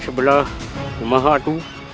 di sebelah rumah hatu